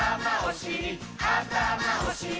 あたまおしり